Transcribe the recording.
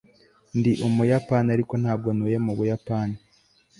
ndi umuyapani, ariko ntabwo ntuye mu buyapani